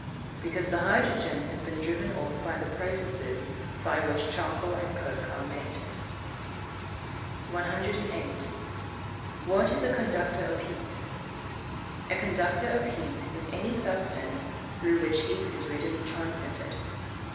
_ Because the hydrogen has been driven off by the processes by which charcoal and coke are made. 108. What is a conductor of heat? A conductor of heat is any substance through which heat is readily transmitted.